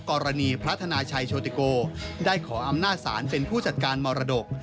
กรณีพระธนาชัยโชติโกได้ขออำนาจศาลเป็นผู้จัดการมรดก